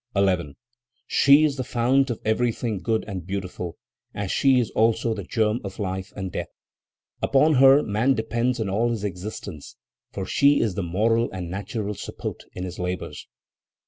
11. "She is the fount of everything good and beautiful, as she is also the germ of life and death. Upon her man depends in all his existence, for she is his moral and natural support in his labors.